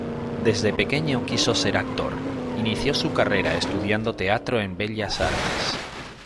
Desde pequeño quiso ser actor. Inició su carrera estudiando teatro en Bellas Artes.